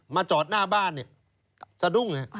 มาจอดหน้าบ้านนี่สะดุ้งนะฮะ